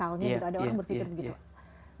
ada orang berpikir begitu